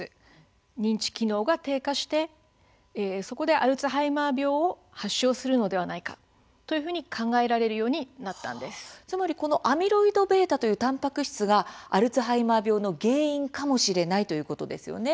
認知機能が低下してそこでアルツハイマー病を発症するのではないかというふうにつまり、アミロイドβというたんぱく質がアルツハイマー病の原因かもしれないということですね。